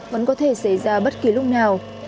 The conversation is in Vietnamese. vẫn có thể xảy ra bất cứ lúc nào